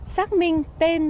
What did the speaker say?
xác minh tên